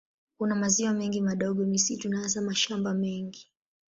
Kuna maziwa mengi madogo, misitu na hasa mashamba mengi.